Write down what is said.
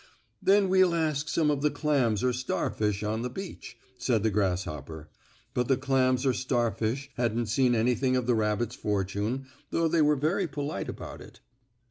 "Then we'll ask some of the clams or starfish on the beach," said the grasshopper, but the clams or starfish hadn't seen anything of the rabbit's fortune, though they were very polite about it.